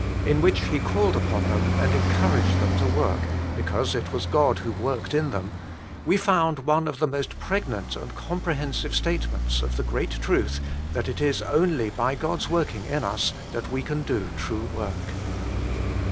in which he called upon them and encouraged them to work, because it was God who worked in them, we found one of the most pregnant and comprehen sive statements of the great truth that it is only by God's working in us that we can do true work.